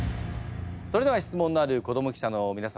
それでは質問のある子ども記者のみなさま